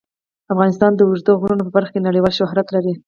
افغانستان د اوږده غرونه په برخه کې نړیوال شهرت لري.